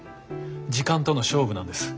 時間との勝負なんです。